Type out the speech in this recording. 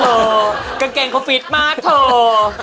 เขากางเกงเขาฟิชมาโอ้โฮ